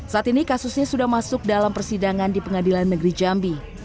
saat ini kasusnya sudah masuk dalam persidangan di pengadilan negeri jambi